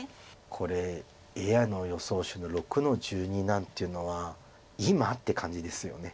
これＡＩの予想手の６の十二なんていうのは「今！？」って感じですよね。